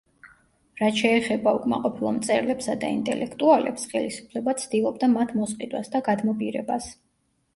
რაც შეეხება უკმაყოფილო მწერლებსა და ინტელექტუალებს, ხელისუფლება ცდილობდა მათ მოსყიდვას და გადმობირებას.